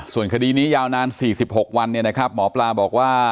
ส่วนคดีนี้ยาวนาน๔๖วันหมอปลาบอกว่า